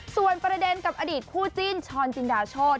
ส่วนประเด็นกับอดีตคู่จิ้นช้อนจินดาโชธ